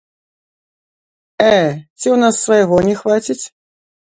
Э, ці ў нас свайго не хваціць?